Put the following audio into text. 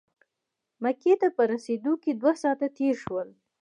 مکې ته په رسېدو کې دوه ساعته تېر شول.